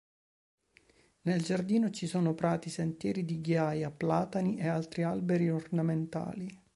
Nel giardino ci sono prati, sentieri di ghiaia, platani e altri alberi ornamentali.